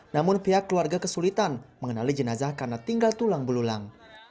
namun pihak keluarga kesulitan mengenali jenazah karena tinggal tulang belulang